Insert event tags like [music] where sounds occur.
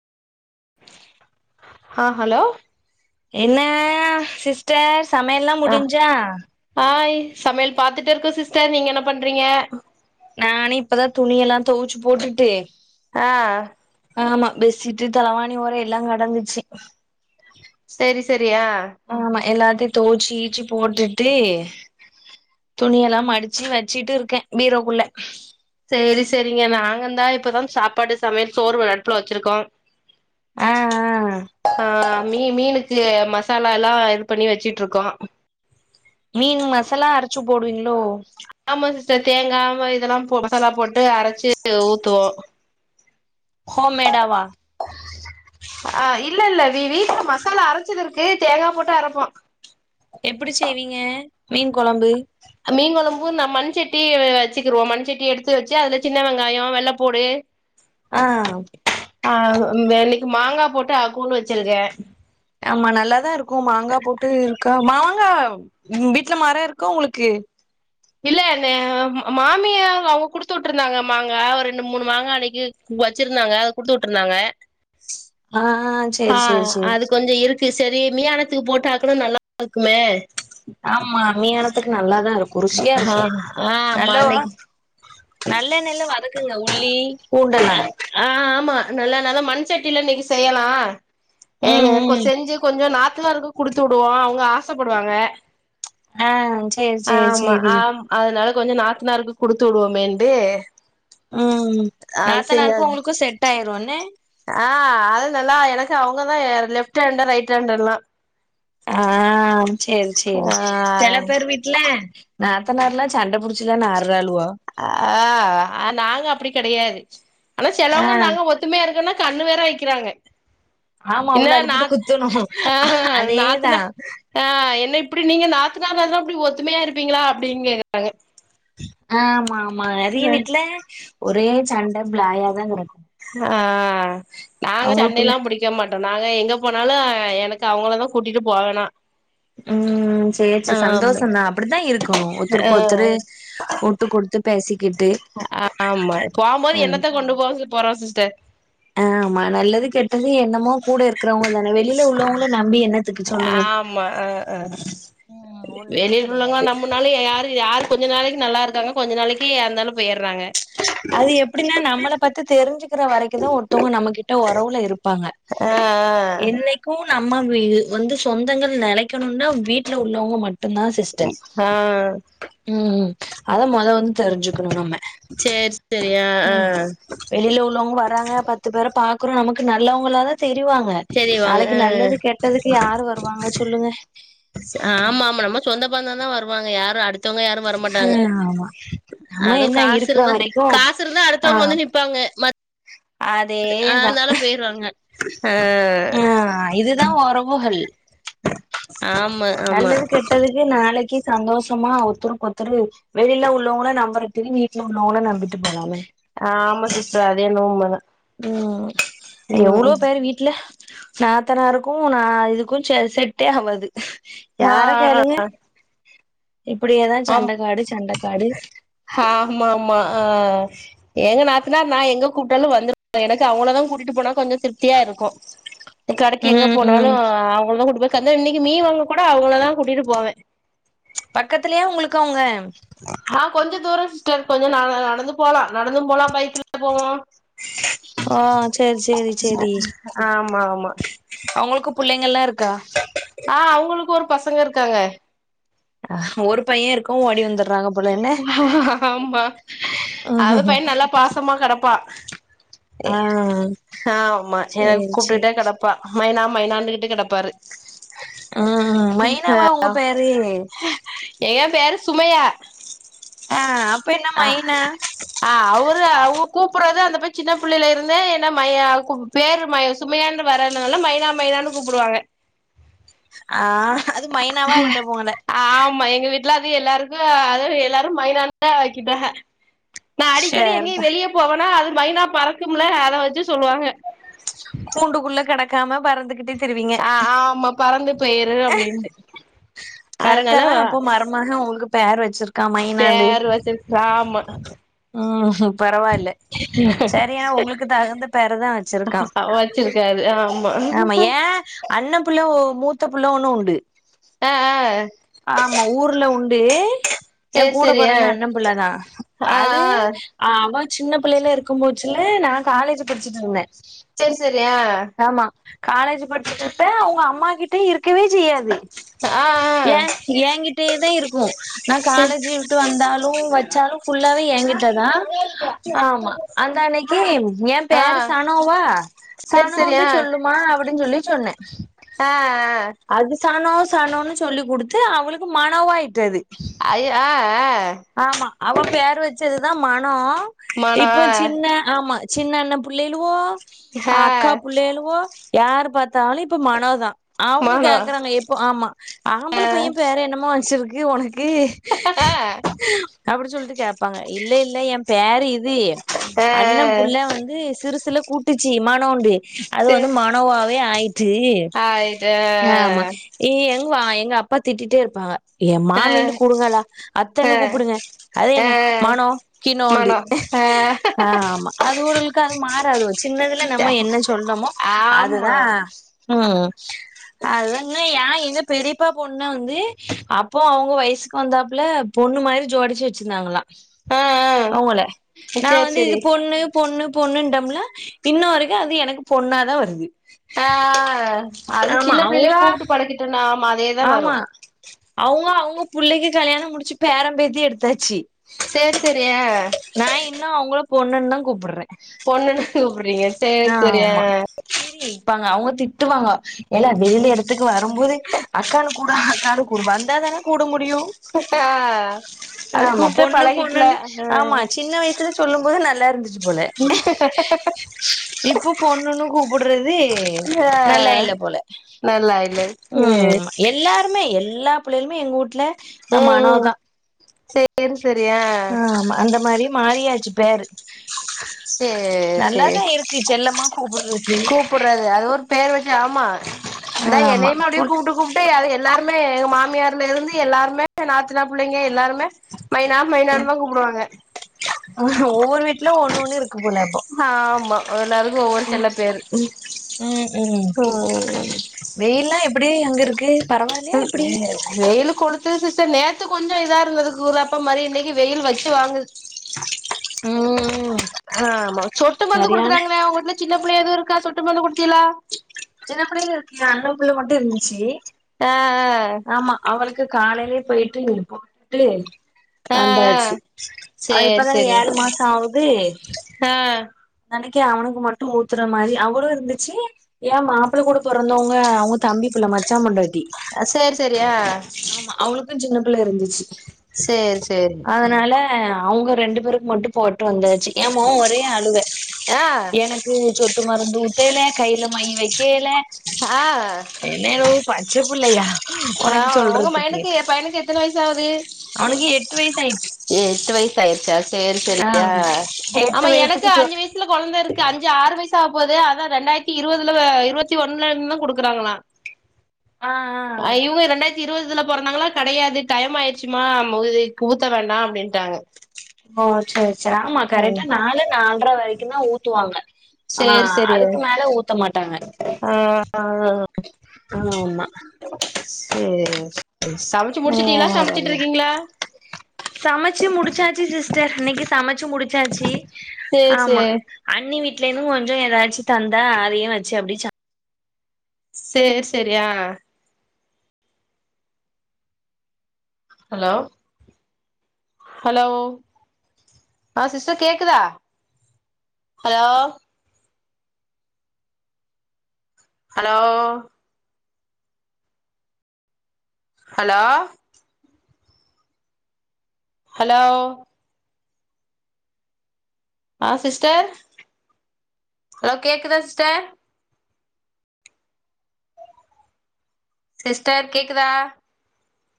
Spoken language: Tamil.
ஹா ஹலோ என்ன சிஸ்டர் சமையல்லா ஆ முடிஞ்சா ஹாய் சமையல் பாத்துட்டே இருக்கோ சிஸ்டர் நீங்க என்னப் பண்றீங்க நானோ இப்பதா துணி எல்லா தோவுச்சி போட்டுட்டு அ ஆமா பெட்ஷீட்டு தலவாணி ஓரே எல்லா கடந்துச்சி சேரி சேரியா அ ஆமா எல்லாத்தையு தோச்சி ஈச்சி போட்டுட்டு துணி எல்லா மடிச்சி வச்சிட்டு இருக்கே பீரோக்குள்ள சேரி சேரிங்க நாங்க இந்தா இப்பதா சாப்பாடு சமையல் சோறு ஒரு அடுப்புல வச்சிருக்கோ ஆ ஆ ஆ மீ மீனுக்கு மசாலா எல்லா இது பண்ணி வெச்சிட்டிருக்கோ மீனு மசாலா அரச்சி போடுவீங்ளோ ஆமா சிஸ்டர் தேங்கா மா இதெல்லா போ மசாலா போட்டு அரைச்சி ஊத்துவோ ஹோம் மேடாவா அ இல்ல இல்ல வீ வீட்டு மசாலா அரச்சிது இருக்கு தேங்கா போட்டு அரப்போ எப்டி செய்வீங்க மீன் கொழம்பு மீன் கொழம்பு நம் மண் செட்டி வ வ வெச்சிக்கிருவோ மண் செட்டி எடுத்து வெச்சி அதுல சின்ன வெங்காயோ வெள்ளப்பூடு ஆ ஆ வ் வேலைக்கு மாங்கா போட்டு அவ் கூழு வச்சிருக்கே ஆமா நல்லாதா இருக்கு மாங்கா போட்டு இருக்கா மாங்கா வீட்ல மரோ இருக்கா உங்களுக்கு இல்ல நே ம் மா மாமியா அவுங்க குடுத்து உட்ருந்தாங்க மாங்கா ஒரு ரெண்டு மூணு மாங்கா அன்னைக்கு வச்சிருந்தாங்க அத குடுத்து உட்டுருந்தாங்க ஆ ஆ அத் ஆ அது கொஞ்சோ இருக்கு செரி மியானத்துக்கு போட்டு ஆக்குனா நல்லா இருக்குமே ஆமா மியானத்துக்கு நல்லாதா இருக்கு ருசியா ஆ இருக்கு ஆமா நல்லவுகா இன்னைக்கு நல்லெண்ணையில வதக்குங்க உள்ளி பூண்டெல்லா ஆ ஆமா நல்லெண்ண தா மண் சட்டில இன்னைக்கு செய்யலா ஏங்க ம் கொ ம் செஞ்சி கொஞ்சோ நாத்தனாருக்கோ குடுத்து உடுவோ அவுங்க ஆசப்படுவாங்க அ சேர் ஆமா ஆம் அதனால கொஞ்சோ நாத்தனாருக்கு குடுத்து உடுவோமேண்டு உம் நாத்தனாருக்கு உங்ளுக்கு செட் ஆயிருன்னே ஆ அது நல்லா எனக்கு அவுங்கதா லெஃப்ட் ஹேண்ட் ரைட் ஹேண்ட் எல்லா ஆ சேரி சேரி செல பேர் வீட் ல நாத்தனார்லா சண்ட புடிச்சி தானே ஆட்றாலுவோ அ ஆ நாங்க அப்டி கெடையாது ஆனா ஆ செலவுங்க நாங்கோ ஒத் த்துமையா இருக்குன்னா கண்ணு வேற வெக்கிறாங்க ஆமா இல்ல உள்ள அள்ளிப்போட்டு நாத் குத்தணு அ ஹா ஹா அதேதா நாத்துனா ஆ என்ன இப்டி நீங்க நாத்துனா மார்ல இப்டி ஒத்துமையா இருப்பீங்ளா அப்டின்கேக்குறாங்க ஆமாமா நறைய வீட்ல ஒரே சண்ட ப்ளாயாதா கெடக்கு ஆ நாங்க அவங்களுக்குள்ள சென்னைல்லா புடி க்க மாட்டோ நாங்க எங்க போனாலு எனக்கு அவங்கள தா கூட்டிட்டு போகணோ ம் சே ச சந்தோஷந்தா அப்டித்தா இருக்கணு ஆ ஒத்தருக்கு ஒருத்தரு உட்டு குட் த்து பேசிகிட்டு ஆமா போம்போது என்னத்த கொண்டு போ போறோ சிஸ்டர் ஆமா நல்லது கெட்டது என்னமோ கூட இருக்கிறவங்கள நா வெளியில உள்ளவங்கள நம்பி என்னத்துக்கு சொல்லுங்க ம் ஒண்ணுமே வெளிய உள்ளங்கள கெடையாது நம்புனாலு யாரு யாரு கொஞ்ச நாளைக்கு நல்லாருக்காங்க கொஞ்ச நாளைக்கு ஏந்தாலு போயிர்றாங்க அது எப்டின்னா நம்மள பத்தி தெரிஞ்சு க்கிற வரைக்குதா ஒருத்தவ்ங்க நம்மகிட்ட ஒறவுல இருப்பாங்க ஆ என்னைக்கூ நம்ம வீ வந்து சொந்தங்கள் நெலைக்கணுனா வீட்ல உள்ளவங்க மட்டு மட்டுந்தா சிஸ்டர் ஆ ஆ ம் ம் அத மெத வந்து தெரிஞ்சுக்குணு நம்ம சேர் ம் வெளியில உள்ளவங்க வராங்க பத்து பேர பாக்குறோ நமக்கு நல்லவங்ளாதா தெரிவாங்க சரி வாங்க நாளைக்கு நல்லது ஆ கெட்டதுக்கு யாரு வருவாங்க சொல்லுங்க ஆமா ஆமா நம்ம சொந்த பந்தோ தா வருவாங்க யாரு அடுத்தவங்க யாரு வரமாட்டாங்க ம் ஆமா நம்ம அதூ என்ன காசு இருக்கிற இருந்தா வரைக்கு காசு இருந்தா ஆ அடுத்தவுங்க வந்து நிப்பாங்க மத் அதேதா பேயிருவாங்க ஆ ஆ இதுதா ஒறவுகள் ஆமா ஆமா ட்டதுக்கு நாளைக்கு சந்தோஷமா ஒத்துருக்கொர்த்தரு வெளியில உள்ளவங்கள நம்புறதுக்கு வீட்ல உள்ளவங்கள நம்பிட்டு போலாமே ஆமா சிஸ்டர் அதென்னோ உண்மதா ம் எவ்ளோ பேரு வீட்ல நாத்தனாருக்கூ நா இதுக்கூ செ செட்டே ஆவாது ஆ யார ஆ கேளுங்க இப்படியேதா சண்டக்காடு சண்டக்காடு ஹாமாமா ஆ எங்க நாத்தனார் நா எங்க கூட்டாலு வந்துருவாங்க எனக்கு அவுங்கள தா கூட்டிட்டு போனா கொஞ்சோ திருப்தியா இருக்கூ கடைக்கு எங்க ம் போனாலு ம் அவுங்கள தா கூட்டி போய் கந்த இன்னிக்கி மீன் வாங்க கூட அவுங்கள தா கூட்டிட்டு போவே பக்கத்துலேயா உங்குளுக்கு அவுங்க ஹா கொஞ்சோ தூரோ சிஸ்டர் கொஞ்சோ ந நடந்து போலா நடந்து போலா பைக்ல போவோ ஆ சேர் சேரி சேரி ஆமா ஆமா அவுங்குளுக்கு புள்ளைங்கல்லா இருக்கா ஆ அவுங்குளுக்கு ஒரு பசங்க இருக்காங்க ஒரு பைய இருக்க ஓடி வந்துடுறாங்கப் ஆமா அது ஆஹ்ஹ பைய நல்லா பாசமா கெடப்பா ஏ ஆ ஹாமா எனக் சேரி சேரி கூப்டுட்டே கெடப்பா மைனா மைனான்ட்டு கெடப்பாரு ஆ மைனாவா உங்க பேரு ஏ பேரு சுமையா ஆ அப்ப என்ன ஆ மைனா ஆ அவரு அவு கூப்புட்றதே அந்த பைய சின்ன பிள்ளைலருந்தே என்ன மையா கூப் பேரு மைய சுமையான் வராதனால மைனா மைனான் கூப்பிடுவாங்க ஆ அது மைனாவா ஆயிட்டு போங்களே ஆமா எங்க வீட்ல அது எல்லாருக்கூ அது எல்லாரு மைனானே ஆக்கிட்டாக நா அடிக்கடி எங்கேயு சேர்தா வெளியே போவேனா அது மைனா பறக்கும்ல அத வச்சு சொல்லுவாக கூண்டுக்குள்ள கெடக்காம பறந்துக்குட்டு த்ருவீங்க ஆ ஆமா பறந்து போயிரு அ அப்டின்ட்டு கரெக்டா அதனால தா அப்போ மர மக உங்குளுக்கு பேர் வச்சிருக் பேர் வச்சுஸ் ஆமா ம் பரவால்ல சரி ஆனா உங்களுக்கு தகுந்த பேருதா வச்சு வச்சிருக்காரு ஆமா அ அண்ண பிள்ள மூத்த புள்ள ஒன்னு உண்டு ஆ ஆ ஆமா ஊர்ல உண்டு எ சேரி கூட சேரி ஆ பொறந்த அண்ண பிள்ள தா ஆ ஆ அது அவ சின்ன பிள்ளைல இருக்கும் போச்சுல நா காலேஜ் படிச்சுட்டு இருந்த செரி செரி ஆ ஆமா காலேஜ் படிச்சிட்டு இருப்ப அவுங்க அம்மா கிட்ட இருக்கவே செய்யாது ஆ ஏ ஆ ஏங்கிட்டயே தா இருக்கு நா செரி காலேஜ் விட்டு வந்தாலு வச்சாலு ஃபுல்லாவே ஏங்கிட்ட தா ஆமா அந்த அன்னைக்கு எ ஆ பேருஸ் சனோவா செரி செரி சனோன்டு ஆ சொல்லுமா அப்படின் சொல்லி சொன்ன ஆ ஆ அது சனோ சனோனு சொல்லி் குடுத்து அவளுக்கு மனோவாயிட்டது ஐயோ ஆ ஆ ஆமா அவ பேர் வச்சதுதா மனோ மானோ இப்போ சின்ன ஆமா சின்ன அண்ண புள்ளைையளுவோ ஆ அக்கா புள்ளையளுவோ யாரு பாத்தாலு இப்ப மனோதா அவுங்க மானோ கேக்குறாங்க இப்போ ஆமா ஆ ஆம்பள பைய பேரு என்னமா வெச்சிருக்கு வொனக்கு ஆ அப்டி சொல்லிட்டு கேப்பாங்க இல்ல இல்ல எம் பேரு இது ஆ அண்ண புள்ள வந்து சிறுசுல கூப்டுச்சு மனோண்டு அது வந்து செரி மனோவாவே ஆயிட்டு ஆயிட்டு ஆமா ஏ எங்க வா எங்க அப்பா திட்டிட்டே இருப்பாக என் ஆ மாமினு கூப்டுங்க எல்லா அத்தன்னு ஆ கூப்பிடுங்க ஆ அதென்ன மனோ கினோன்டு மனோ ஆ ஆமா அது உடல்க் கு அது மாறாதுவ சின்னதுல நம்ம என்ன சொல்றமோ ஆமா அதுதா ம் அதென்ன ஏ எங்க பெரியப்பா பொண்ணு வந்து அப்போ அவுங்க வயசுக்கு வந்தாப்புல பொண்ணு மாரி ஜோடிச்சு வச்சிருந்தாங்களா ஆ ஆ அவங்கள நா சேரி வந்து இது சேரி பொண்ணு பொண்ணு பொண்ணுன்டம்ல இன்ன வரைக்கு அது எனக்கு பொண்ணாதா வருது ஆ அது ஆமா சின்ன அவங்க பிள்ளைலயே கூப்ட்டு பழக்கிட்டோனா ஆமா அதேதா வரு ஆமா அவுங்க அவுங்க புள்ளைக்கு கல்யாணம் முடிச்சு பேரம்பத்தியே எடுத்தாச்சு சேரி சேரி ஆ நா இன்னும் அவங்கள பொண்ணுன்னு தான் கூப்பிடுறே பொண்ணுன்னு கூப்புடுறீங்க ஆ ஆமா சேரி இப்பாங்க அவங்க திட்டுவாங்க ஏலே வெளில எடத்துக்கு வர வரும்போது அக்கானு கூப்டு அக்கானு கூப்டு வந்தா தான கூப்ட முடியு ஆ அது ஆமா கூப்ட்டே பொண்ணு பழகிட்ல பொண்ணுண்டு ஆ ஆமா சின்ன வயசு சுல சொல்லும் போது நல்லா இருந்துச்சு போல [unintelligible] இப்போ பொண்ணுனு கூப்புடறது ஆ நல்லா இல்ல போல நல்லா இல்ல சேரி ம் எல்லாருமே எல்லா பிள்ளைளுமே எங்க வூட்ல ஆ மனோ ம் ம் தா சேரி சேரி ஆ ஆமா அந்த மாரி மாறியாச் சு பேரு சேர் சேரி நல்லாதா இருக்கு செல்லமா கூப்பிறக்கு கூப்புட்றது அது ஒரு பேர் வச்சு ஆமா இந்தா ஆமா என்னையுமே அப்டியே போல கூப்டு கூப் அது எல்லாருமே எங்க மாமியார்ல இருந்து எல்லாருமே நாத்தனா புள்ளைங்க எல்லாருமே மைனா மைனானுதா கூப்டுவாங்க ஒவ்வொரு வீட்ல ஒண்ணொண்ணு இருக்கு போல அப்போ ஆமா எல்லாருக்கு ஒவ்வொரு செல்லப்பேரு ம் ம் ம் வெயில்லா எப்டி அங்க இருக்கு பரவாயில்லையா எப்டி [inaudible] வெயிலு கொளுத்துது சிஸ்டர் நேத்து கொஞ்ச இதா இருந்தது கூலாப்ப மாரி இன்னைக்கு வெயில் வச்சு வாங்குது ம் ஆமா சொட்டு மருந்து சரியான குடுக்குறாங்களே உங்க வீட்ல சின்னப்பிள்ள எதுவு இருக்கா சொட்டு மருந்து கொடுத்தியளா சின்னப்பிள்ளைல இருக்கே அண்ணம்புள்ள மட்டு இருந்துச்சி ஆ ஆ ஆமா அவளுக்கு காலையிலயே பேயிட்டு இருக்கூப்ட்டு ஆ ஆ வந்தாச்சு ஆ அவ சேரி இப்பதானே சேரி ஏழு மாச ஆவுது ஆ நாளைக்கு அவனுக்கு மட்டு ஊத்துற மாரி அவளு இருந்துச்சு ஏ மாப்பிள கூட பொறந்தவங்க அவங்க தம்பி புள்ள மச்சா பொண்டா ட்டி சேரி சேரி ஆ ஆமா அவங்களுக்கு சின்ன பிள்ள இருந்துச்சு சேரி சேரி அதுனால அவங்க ரெண்டு பேருக்கு மட்டு போட்டு வந்தாச்சு எ மொவ ஒரே அழுவ ஆ இதுக சொட்டு மருந்து ஊத்தேல கையில மை வக்கேல ஆ என்ன எளவு பச்சப்புள்ளையா ஆ உனக்கு உங்க சொல்றத்துக்கு மயனுக்கு பையனுக்கு எத்தன வயசு ஆவுது அவனுக்கு எட்டு வயசு ஆயிட்டு எட்டு வயசு ஆயிடுச்சா செரி செரி ஆ எட்டு ஆமா எனக்கு வயசுக்கு சொ அஞ்சு வயசு வீட்ல கொழந்தை இருக்கு அஞ்சு ஆறு வயசு ஆவபோது அதா ரெண்டாயிருத்தி இருவதுல ஆ இருவத்தி ஒன்னுல இருந்து தான் குடுக்குறாங்களா ஆஆ ஆ இவுக ரெண்டாய் இருவதுல பொறதாங்களா கெடையாது டைம் ஆயிடுச்சுமா இது ஊத்த வேண்டா அப்டின்ட்டாங்க ஓ சரி சரி ஆமா ஆ கரெக்டா நாலு நாலுரை வரைக்கும் தான் ஊத்துவாங்க ஆ சேரி சேரி அதுக்கு மேல ஊத்த மாட்டாங்க ஆ ஆ ஆமா சேரி சேரி சமச்சு முடிச்சிட்டீங்களா சமச்சிட்டு இருக்கீங்களா சமச்சு முடிச்சாச்சு சிஸ்டர் இன்னைக்கு சமச்சு முடிச்சாச்சு சேர் ஆமா சேர் அண்ணி வீட்லேந்தும் கொஞ்ச எதாச்சு தந்தா அதையு வச்சு அப்டி சாப் சேர் செரியா ஹலோ ஹலோ ஆ சிஸ்டர் கேக்குதா ஹலோ ஹலோ ஹலோ ஹலோ ஆஹ சிஸ்டர் ஹலோ கேக்குதா சிஸ்டர் சிஸ்டர் கேக்குதா